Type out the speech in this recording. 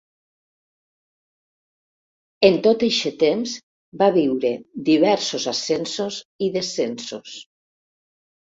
En tot eixe temps va viure diversos ascensos i descensos.